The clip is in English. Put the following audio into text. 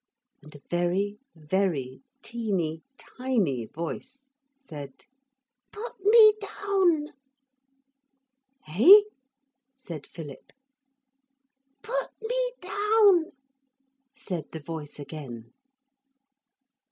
And a very very teeny tiny voice said: '~Put me down.~' 'Eh?' said Philip. '~Put me down~,' said the voice again.